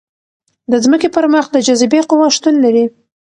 د ځمکې پر مخ د جاذبې قوه شتون لري.